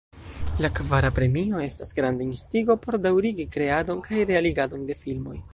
La kvara premio estas granda instigo por daŭrigi kreadon kaj realigadon de filmoj.